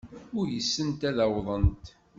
Uysent ad awḍent.